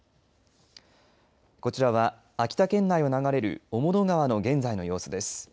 こちらは秋田県内を流れる雄物川の現在の様子です。